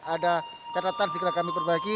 ada catatan jika kami berbagi